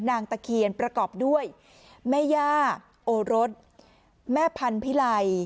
ตะเคียนประกอบด้วยแม่ย่าโอรสแม่พันธิไล